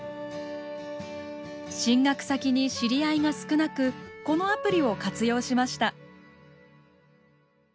進学先に知り合いが少なくこのアプリを活用しました。